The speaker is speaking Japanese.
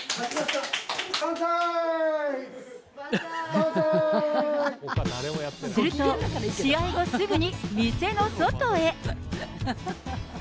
ばんざーい、すると、試合後すぐに、店の外へ。